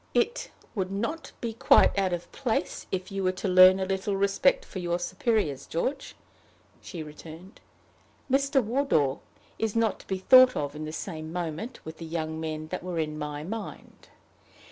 "It would not be quite out of place if you were to learn a little respect for your superiors, George," she returned. "Mr. Wardour is not to be thought of in the same moment with the young men that were in my mind.